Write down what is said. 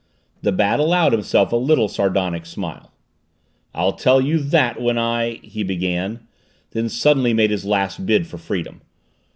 The Bat allowed himself a little sardonic smile. "I'll tell you that when I " he began, then, suddenly, made his last bid for freedom.